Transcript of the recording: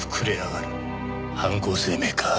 犯行声明か？